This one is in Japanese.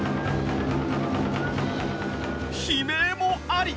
悲鳴もあり。